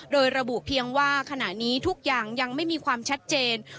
โดยระบุเพียงว่าขณะนี้ทุกอย่างยังไม่มีความชัดเจน